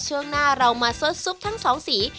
ช่วงหน้าเรามาสดซุปทั้งสองสี